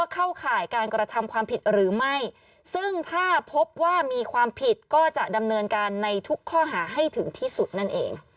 ข่ายการกระทำความผิดหรือไม่ซึ่งถ้าพบว่ามีความผิดก็จะดำเนินการในทุกข้อหาให้ถึงที่สุดนั่นเอง